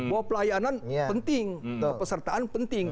bahwa pelayanan penting kepesertaan penting